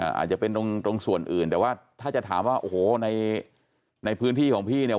อาจจะเป็นตรงส่วนอื่นแต่ว่าถ้าจะถามว่าโอ้โหในพื้นที่ของพี่เนี่ย